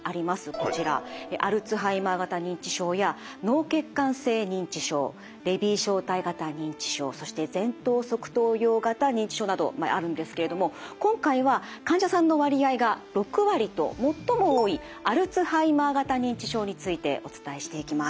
こちらアルツハイマー型認知症や脳血管性認知症レビー小体型認知症そして前頭側頭葉型認知症などあるんですけれども今回は患者さんの割合が６割と最も多いアルツハイマー型認知症についてお伝えしていきます。